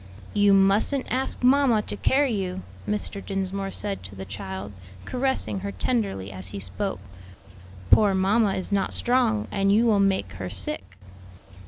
"You mustn't ask mamma to carry you," Mr. Dinsmore said to the child, caressing her tenderly as he spoke; "poor mamma is not strong, and you will make her sick."